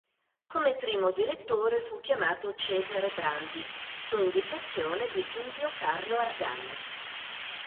Come primo direttore fu chiamato Cesare Brandi, su indicazione di Giulio Carlo Argan.